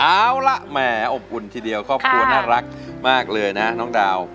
เอาละแหมออบอุ่นทีเดียวครอบครัวน่ารักมากเลยนะน้องดาว